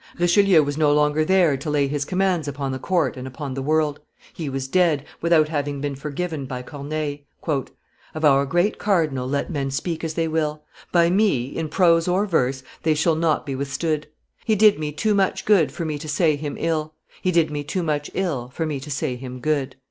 [Illustration: Corneille at the Hotel Rambouillet 342] Richelieu was no longer there to lay his commands upon the court and upon the world: he was dead, without having been forgiven by Corneille: "Of our great cardinal let men speak as they will, By me, in prose or verse, they shall not be withstood; He did me too much good for me to say him ill, He did me too much ill for me to say him good!"